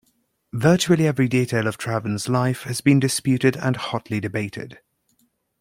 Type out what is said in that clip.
Virtually every detail of Traven's life has been disputed and hotly debated.